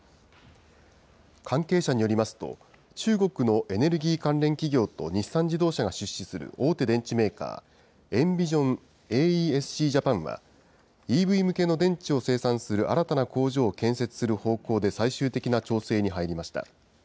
関係者によりますと、中国のエネルギー関連企業と日産自動車が出資する大手電池メーカー、エンビジョンＡＥＳＣジャパンは、ＥＶ向けの電池を生産する新たな工場を建設する方向で最終的な調整に入りました。